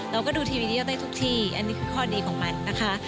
เราก็ดูทีวีได้ทุกที่อันนี้คือข้อดีของมันนะคะ